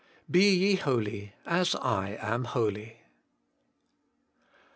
BE YE HOLY, AS I AM HOLY.